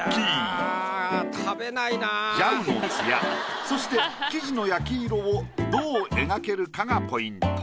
ジャムのツヤそして生地の焼き色をどう描けるかがポイント。